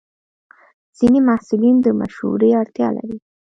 ځینې محصلین د مشورې اړتیا لري.